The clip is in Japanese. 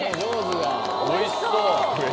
おいしそう！